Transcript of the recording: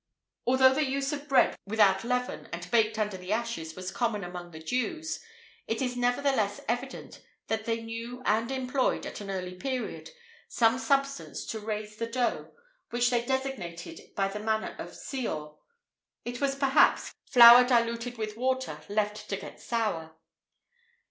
[IV 11] Although the use of bread without leaven and baked under the ashes was common among the Jews,[IV 12] it is nevertheless evident that they knew and employed, at an early period, some substance to raise the dough, which they designated by the name of seor. It was, perhaps, flour diluted with water left to get sour.